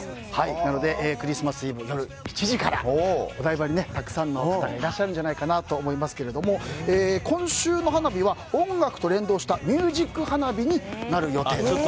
なのでクリスマスイブの夜７時からお台場にたくさんの方がいらっしゃるかと思いますが今週の花火は音楽と連動したミュージック花火になる予定だと。